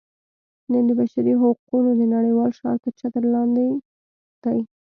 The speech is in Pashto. نن د بشري حقونو د نړیوال شعار تر چتر لاندې دي.